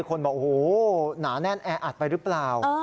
คนบอกโอ้โหหนาแน่นแออัดไปหรือเปล่า